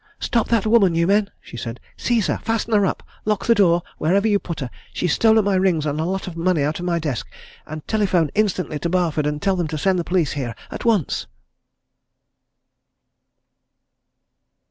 "Stop that woman, you men!" she said. "Seize her! Fasten her up! lock the door wherever you put her! She's stolen my rings, and a lot of money out of my desk! And telephone instantly to Barford, and tell them to send the police here at once!"